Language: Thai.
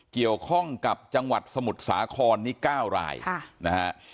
เกี่ยวข้องกับจังหวัดสมุทรสาครนี้๙รายนะฮะ